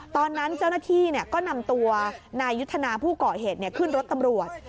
ตอนนั้นเจ้าหน้าที่ก็นำตัวนายยุทธนาผู้ก่อเหตุขึ้นรถตำรวจ